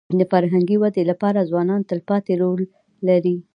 د فرهنګي ودي لپاره ځوانان تلپاتې رول لري.